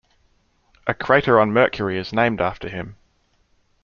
A crater on Mercury is named after him.